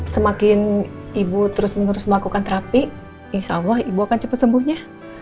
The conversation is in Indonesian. semakin ibu terus menerus melakukan terapi insya allah ibu akan cepat sembuhnya